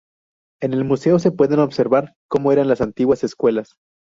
En el museo se pueden observar como eran las antiguas escuelas.